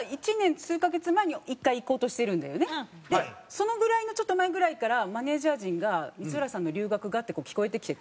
そのぐらいのちょっと前ぐらいからマネジャー陣が「光浦さんの留学が」ってこう聞こえてきてて。